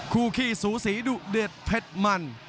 คู่ขี้สูสีดุเด็ดเพชรมัน